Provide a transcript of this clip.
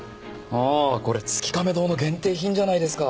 ああこれ月亀堂の限定品じゃないですか！